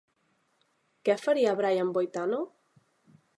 Què faria Brian Boitano?